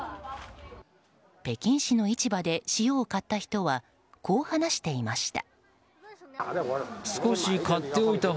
北京市の市場で塩を買った人はこう話していました。